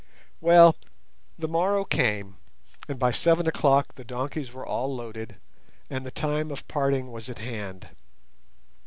Well, the morrow came, and by seven o'clock the donkeys were all loaded, and the time of parting was at hand.